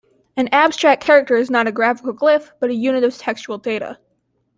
An "abstract" character is not a graphical glyph but a unit of textual data.